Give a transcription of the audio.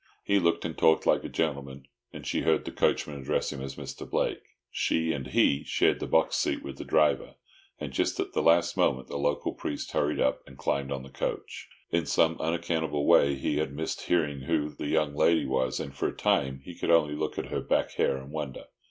He looked and talked like a gentleman, and she heard the coachman address him as "Mr. Blake." She and he shared the box seat with the driver, and just at the last moment the local priest hurried up and climbed on the coach. In some unaccountable way he had missed hearing who the young lady was, and for a time he could only look at her back hair and wonder.